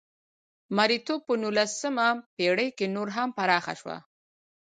مریتوب په نولسمه پېړۍ کې نور هم پراخه شوه.